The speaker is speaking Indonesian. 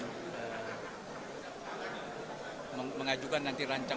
yang kedua kami tentunya juga akan melakukan